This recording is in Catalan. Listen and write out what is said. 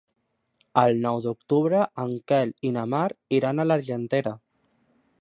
El nou d'octubre en Quel i na Mar iran a l'Argentera.